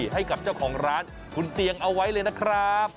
ให้กับเจ้าของร้านคุณเตียงเอาไว้เลยนะครับ